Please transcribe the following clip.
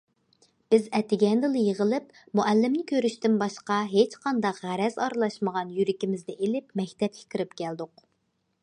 بىز ئەتىگەندىلا يىغىلىپ، مۇئەللىمنى كۆرۈشتىن باشقا ھېچقانداق غەرەز ئارىلاشمىغان يۈرىكىمىزنى ئېلىپ مەكتەپكە كىرىپ كەلدۇق.